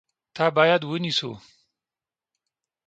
تا باید ونیسو !